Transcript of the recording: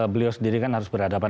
beliau sendiri kan harus berhadapan